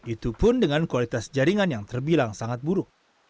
itu pun dengan kualitas jaringan yang terbilang sangat buruk